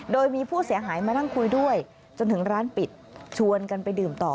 โดยมีผู้เสียหายมานั่งคุยด้วยจนถึงร้านปิดชวนกันไปดื่มต่อ